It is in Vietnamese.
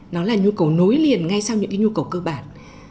nó là nhu cầu nối liền ngay sau những cái nhu cầu cơ bản